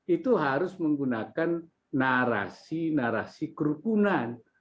itu harus menggunakan narasi narasi kerukunan